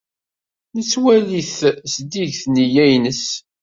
Nettwali-t zeddiget nneyya-nnes.